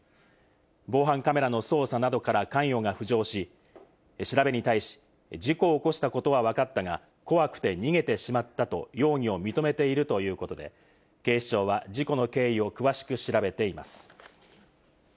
防犯カメラの操作などから関与が浮上し、調べに対し、事故を起こしたことはわかったが、怖くて逃げてしまったと容疑を認めているということで、警視庁は事故の経緯を詳しく調べています。